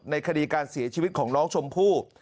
คดีการเสียชีวิตของน้องชมพู่